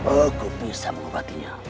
aku bisa mengubatinya